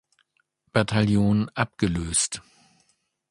Bataillon abgelöst.